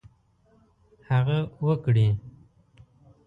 هغه وکړي.